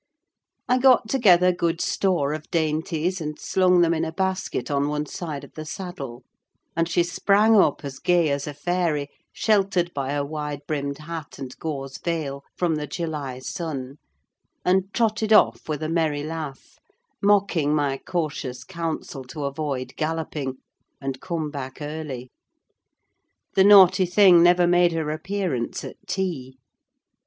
I got together good store of dainties, and slung them in a basket on one side of the saddle; and she sprang up as gay as a fairy, sheltered by her wide brimmed hat and gauze veil from the July sun, and trotted off with a merry laugh, mocking my cautious counsel to avoid galloping, and come back early. The naughty thing never made her appearance at tea.